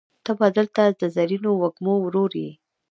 ته به دلته د زرینو وږمو ورور یې